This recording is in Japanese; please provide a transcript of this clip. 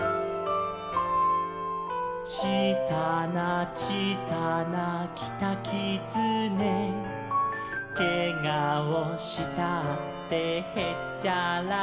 「ちいさなちいさなキタキツネ」「けがをしたってへっちゃらだ」